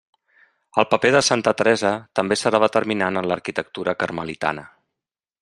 El paper de santa Teresa també serà determinant en l'arquitectura carmelitana.